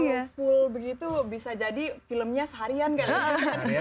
kalau full begitu bisa jadi filmnya seharian kali ya